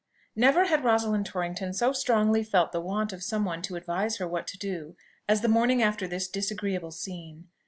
Never had Rosalind Torrington so strongly felt the want of some one to advise her what to do, as the morning after this disagreeable scene.